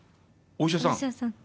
お医者さん？